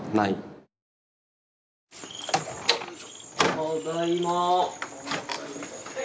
ただいま。